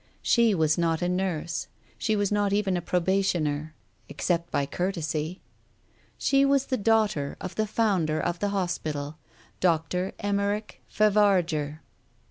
She was not a nurse, she was not even a probationer, except by courtesy; she was the daughter of the founder of the Hospital, Dr. Emeric Favarger.